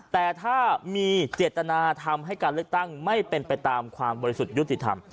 แต่ถ้ามีเจตนาทำให้การเลือกตั้งไม่เป็นไปตามความบริสุทธิ์ยุติธรรม